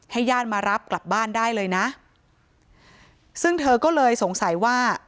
ญาติมารับกลับบ้านได้เลยนะซึ่งเธอก็เลยสงสัยว่า